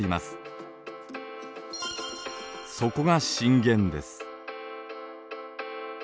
そこが震源です。